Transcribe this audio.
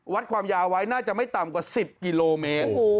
วัดความยาวไว้น่าจะไม่ต่ำกว่า๑๐กิโลเมตร